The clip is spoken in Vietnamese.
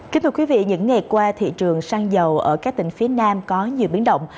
kính thưa quý vị những ngày qua thị trường xăng dầu ở các tỉnh phía nam có nhiều biến động